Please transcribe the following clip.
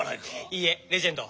いいえレジェンド。